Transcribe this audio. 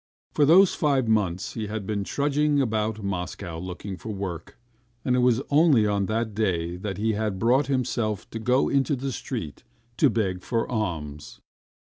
For those five months he had been trudging about Moscow looking for work, and it was only on that day that he had brought himself to go into the street to beg for alms.